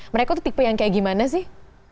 mereka tuh tipe yang kayak gimana sih